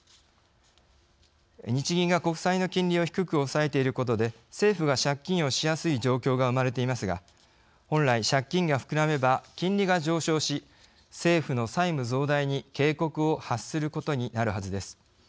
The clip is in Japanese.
日銀が国債の金利を低く抑えていることで政府が借金をしやすい状況が生まれていますが本来、借金が膨らめば金利が上昇し政府の債務増大に警告を発することになるはずです。